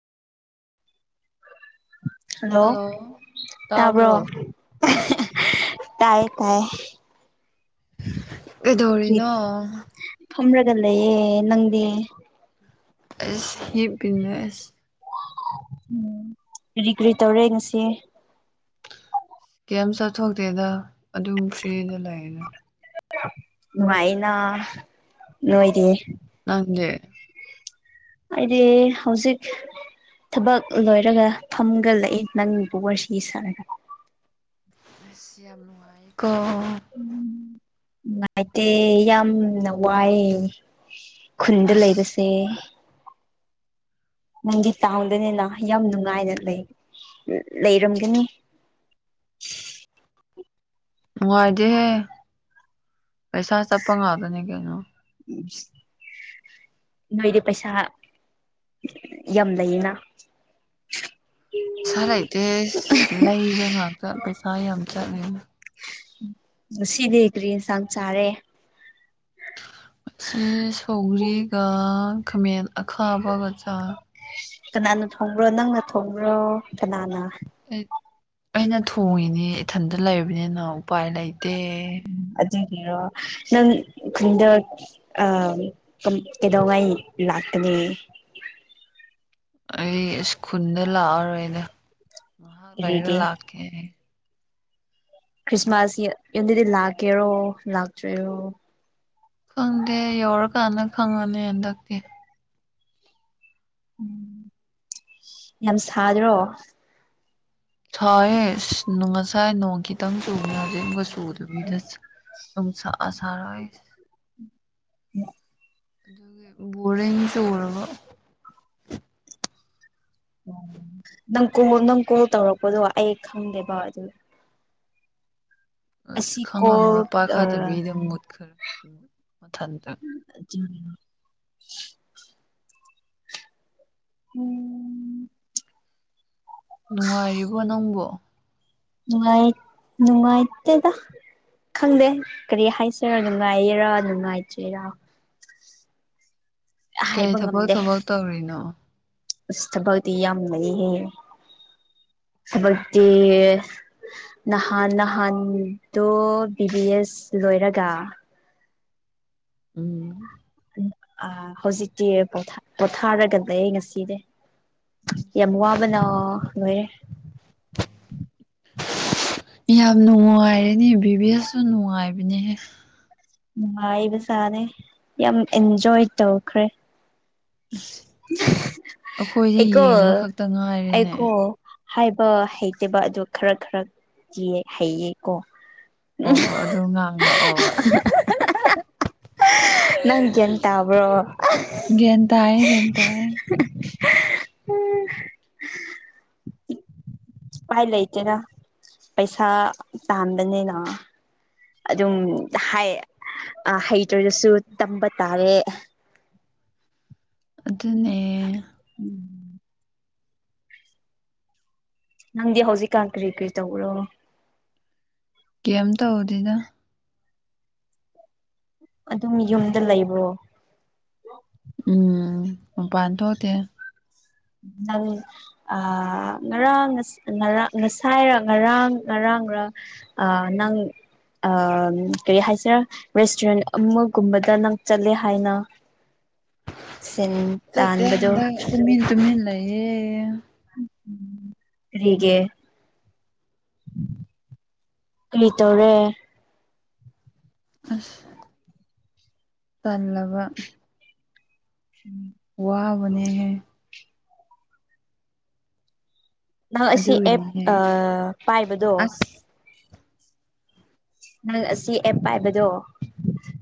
hello ꯇꯥꯕ꯭ꯔꯣ ꯍꯣꯏ ꯇꯌꯦ ꯇꯥꯏ ꯀꯩꯗꯧꯔꯤꯅꯣ ꯐꯥꯝꯔꯥꯒꯥ ꯂꯩꯌꯦ ꯅꯪꯗꯤ ꯌ ꯀꯅ ꯃ ꯑꯁ ꯎꯝ ꯀꯔꯤ ꯀꯔꯤ ꯇꯧꯔꯦ ꯉꯁꯤ ꯀꯩꯝ ꯆꯠꯊꯣꯛꯇꯦꯗ ꯑꯗꯨꯝ ꯐ꯭ꯔꯤꯗ ꯂꯩꯗ ꯅꯨꯡꯉꯥꯏꯅ ꯅꯣꯏꯗꯤ ꯅꯪꯗꯦ ꯑꯩꯗꯤ ꯍꯧꯖꯤꯛ ꯊꯕꯛ ꯂꯣꯏꯔꯒ ꯐꯝꯒꯂꯛꯏꯦ ꯅꯪꯒꯤꯕꯨ ꯋꯥꯔꯤꯁꯤ ꯁꯥꯔꯒ ꯑꯁ ꯌꯥꯝ ꯅꯨꯡꯉꯥꯏ ꯎꯝꯅꯨꯡꯉꯥꯏꯇꯦ ꯌꯥꯝꯅ ꯋꯥꯏ ꯈꯨꯟꯗ ꯑꯁ ꯂꯩꯕꯁꯦ ꯅꯪꯒꯤ ꯇꯥꯎꯟꯗꯅꯤꯅ ꯌꯥꯝ ꯅꯨꯡꯉꯥꯏꯅ ꯂꯩꯔꯝꯒꯅꯤ [unintelligible] ꯅꯨꯡꯉꯥꯏꯇꯦꯍꯦ ꯄꯩꯁꯥ ꯆꯠꯄ ꯉꯥꯛꯇꯅꯤ ꯀꯩꯅꯣ ꯎꯝ ꯅꯣꯏꯗꯤ ꯄꯩꯁꯥ ꯌꯥꯝ ꯂꯩꯅ ꯏꯁꯩ ꯂꯩꯇꯦ ꯂꯩꯕ ꯉꯥꯛꯇ ꯄꯩꯁꯥ ꯌꯥꯝ ꯆꯠꯂꯤꯅ ꯉꯁꯤꯗꯤ ꯀ꯭ꯔꯤ ꯏꯟꯁꯥꯡ ꯆꯥꯔꯦ ꯃꯁꯤ ꯁꯧꯒꯔꯤꯒ ꯈꯥꯃꯦꯟ ꯑꯈꯥꯕꯒꯆꯥ ꯀꯅꯥꯅ ꯊꯣꯡꯕ꯭ꯔꯣ ꯅꯪꯅ ꯊꯣꯡꯕ꯭ꯔꯣ ꯀꯅꯥꯅ ꯑꯩꯅ ꯊꯣꯡꯉꯤꯅꯦ ꯏꯊꯟꯇ ꯂꯩꯔꯕꯅꯤꯅ ꯎꯄꯥꯏ ꯂꯩ ꯇꯥ ꯑꯣ ꯅꯪ ꯈꯨꯟꯗ ꯀꯩꯗꯧꯉꯥꯏ ꯂꯥꯛꯀꯅꯤ ꯎꯝ ꯑꯩ ꯏꯁ ꯈꯨꯨꯟꯗ ꯂꯥꯛꯑꯔꯣꯏꯗ ꯉꯥꯏꯍꯥꯛ ꯂꯩꯔꯒ ꯀꯔꯤꯒꯤ ꯂꯥꯛꯀꯦ ꯀ꯭ꯔꯤꯁꯃꯁ ꯂꯥꯛꯀꯦꯔꯣ ꯂꯥꯛꯑꯣꯢꯔꯣ ꯈꯪꯗꯦ ꯌꯧꯔꯀꯥꯟꯗ ꯈꯪꯉꯅꯤ ꯍꯟꯗꯛꯇꯤ ꯎꯝ ꯌꯥꯝ ꯁꯥꯗ꯭ꯔꯣ ꯁꯣꯏꯌꯦꯁ ꯉꯁꯥꯏ ꯅꯣꯡ ꯈꯤꯇꯪ ꯆꯨꯉ ꯍꯧꯖꯤꯛꯁꯨ ꯈꯡꯁꯥ ꯁꯔꯦ ꯎꯝ ꯑꯗꯨꯒꯤ ꯕꯣꯔꯤꯡ ꯆꯨꯔꯕ ꯅꯪ ꯀꯣꯜ ꯅꯪ ꯀꯣꯜ ꯇꯧꯔꯛꯄꯗꯣ ꯑꯩ ꯈꯪꯗꯦꯕ ꯑꯗꯨ ꯑꯁ ꯑꯁꯤ ꯀꯣꯜ ꯈꯪꯉꯝꯃꯣꯏ ꯄꯥꯈꯥꯗꯕꯤꯗ ꯃꯨꯠꯈꯔꯦꯃꯊꯟꯇꯪ [unintelligible] ꯎꯝ ꯅꯨꯡꯉꯥꯢꯔꯤꯕꯣ ꯅꯡꯕꯣ ꯅꯨꯡꯥꯏ ꯅꯨꯡꯥꯏꯇꯦꯗ ꯈꯪꯗꯦ ꯀꯔꯤ ꯍꯥꯏꯁꯤꯔ ꯅꯨꯡꯉꯥꯏꯌꯦꯔꯥ ꯅꯨꯡꯉꯥꯏꯇ꯭ꯔꯤꯦꯔꯥ ꯀꯩ ꯊꯕꯛ ꯉꯝꯗꯦ ꯊꯕꯛ ꯇꯧꯔꯤꯅꯣ ꯊꯕꯛꯇꯤ ꯌꯥꯝ ꯂꯩꯌꯦꯍꯦ ꯊꯕꯛꯇꯤ ꯅꯍꯥꯟ ꯅꯍꯥꯟꯗꯣ ꯕꯤ ꯕꯤ ꯑꯦꯁ ꯂꯣꯏꯔꯒ ꯎꯝ ꯑ ꯍꯧꯖꯤꯛꯇꯤ ꯄꯣꯊꯥꯔꯒ ꯂꯩ ꯑꯩ ꯉꯁꯤꯗꯤ ꯌꯥꯝ ꯋꯥꯕꯅ ꯂꯣꯏꯔꯦ ꯌꯥꯝ ꯅꯨꯡꯉꯥꯏꯔꯦꯅꯦ ꯕꯤꯕꯤꯁꯨ ꯅꯨꯡꯉꯥꯏꯕꯅꯦꯍꯦ ꯅꯨꯡꯉꯥꯏꯕꯁꯥꯅꯦ ꯌꯥꯝ ꯑꯦꯟꯖꯣꯏ ꯇꯧꯈ꯭ꯔꯦ ꯑꯁ ꯑꯩꯈꯣꯏꯁꯦ ꯑꯩꯀꯣ ꯌꯦꯡꯕ ꯈꯛꯇ ꯉꯥꯏꯔꯦꯅꯦ ꯑꯩꯀꯣ ꯍꯥꯏꯕ ꯍꯩꯇꯕ ꯑꯗꯨ ꯈꯔ ꯈꯔ ꯍꯩꯌꯦꯀꯣ ꯑꯣ ꯑꯗꯨ ꯉꯥꯡ ꯂꯛꯑꯣ ꯅꯪ ꯒ꯭ꯌꯥꯟ ꯇꯥꯕ꯭ꯔꯣ ꯒ꯭ꯌꯥꯟ ꯇꯥꯏꯌꯦ ꯒ꯭ꯌꯥꯟ ꯇꯥꯏꯌꯦ ꯎꯝ ꯎꯄꯥꯏ ꯂꯩꯇꯦꯗ ꯄꯩꯁꯥ ꯇꯥꯟꯕꯅꯤꯅ ꯑꯗꯨꯝ ꯍꯥꯏ ꯍꯩꯇ꯭ꯔꯒꯁꯨ ꯇꯝꯕ ꯇꯥꯔꯦ ꯑꯗꯨꯅꯦ ꯎꯝ ꯅꯪꯗꯤ ꯍꯧꯖꯤꯛꯀꯥꯟ ꯀꯔꯤ ꯀꯔꯤ ꯇꯧꯕꯔꯣ ꯀꯝ ꯇꯧꯗꯦꯗ ꯑꯗꯨꯝ ꯌꯨꯝꯗ ꯂꯩꯕꯣ ꯎꯝ ꯃꯄꯥꯟ ꯊꯣꯛꯇꯦ ꯅꯪ ꯑ ꯉꯔꯥꯡ ꯉꯔꯥꯡ ꯉꯁꯥꯏꯔ ꯉꯔꯥꯡ ꯉꯔꯥꯡ [unintelligible] ꯑ ꯀꯔꯤ ꯍꯥꯏꯁꯤꯔꯥ ꯔꯦꯁꯇꯨꯔꯦꯟ ꯑꯃꯒꯨꯝꯕꯗ ꯅꯪ ꯆꯠꯂꯦ ꯍꯥꯏꯅ [unintelligible] ꯆꯠꯇꯦ ꯇꯥꯟꯕꯗꯣ ꯍꯟꯗꯛꯇꯃꯤꯟ ꯇꯨꯃꯤꯟ ꯂꯩꯌꯦ ꯀꯔꯤꯒꯤ ꯀ ꯔꯤꯇꯧꯔꯦ ꯇꯟꯂꯕ ꯎꯝ ꯋꯥꯍꯕꯅꯦ ꯍꯦ ꯅꯪ ꯑꯁꯤ ꯑꯦꯞ ꯑꯗꯨꯒꯤꯅꯦꯍꯦ ꯄꯥꯏꯕꯗꯣ ꯑꯁ ꯅꯪ ꯑꯁꯤ ꯑꯦꯞ ꯄꯥꯏꯕꯗꯣ